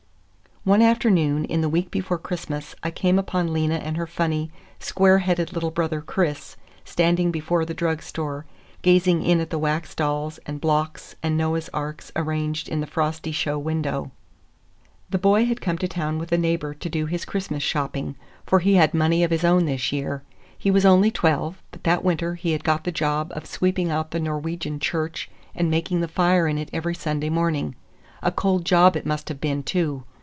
One afternoon in the week before Christmas I came upon Lena and her funny, square headed little brother Chris, standing before the drug store, gazing in at the wax dolls and blocks and Noah's arks arranged in the frosty show window. The boy had come to town with a neighbor to do his Christmas shopping, for he had money of his own this year. He was only twelve, but that winter he had got the job of sweeping out the Norwegian church and making the fire in it every Sunday morning. A cold job it must have been, too!